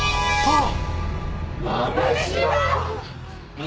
ああ。